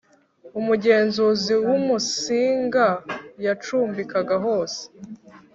umugenzi w'Umusinga yacumbikaga hose